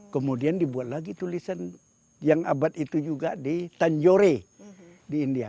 kemudian dibuat lagi tulisan yang abad itu juga di tanjore di india